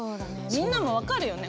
みんなも分かるよね？